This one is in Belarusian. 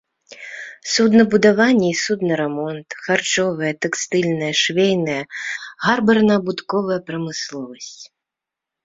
Суднабудаванне і суднарамонт, харчовая, тэкстыльная, швейная, гарбарна-абутковая прамысловасць.